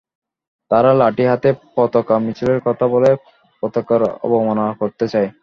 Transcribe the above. তারা লাঠি হাতে পতাকা মিছিলের কথা বলে পতাকার অবমাননা করতে চায়।